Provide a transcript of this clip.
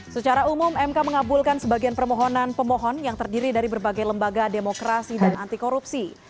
secara umum mk mengabulkan sebagian permohonan pemohon yang terdiri dari berbagai lembaga demokrasi dan anti korupsi